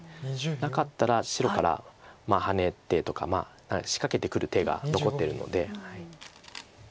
なかったら白からハネてとか仕掛けてくる手が残ってるので。